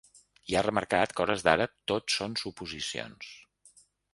I ha remarcat que a hores d’ara ‘tot són suposicions’.